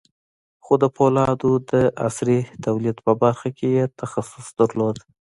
خو د پولادو د عصري تولید په برخه کې یې تخصص درلود